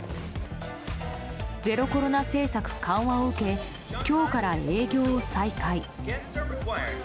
ゼロコロナ政策緩和を受け今日から営業を再開。